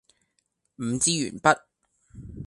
五支鉛筆